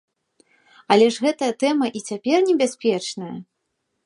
Але ж гэтая тэма і цяпер небяспечная!